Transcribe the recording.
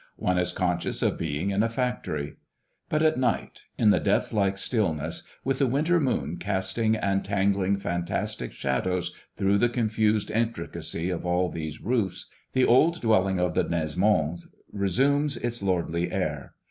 One is conscious of being in a factory. But at night, in the death like stillness, with the winter moon casting and tangling fantastic shadows through the confused intricacy of all these roofs, the old dwelling of the Nesmonds resumes its lordly air.